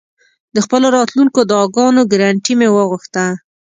د خپلو راتلونکو دعاګانو ګرنټي مې وغوښته.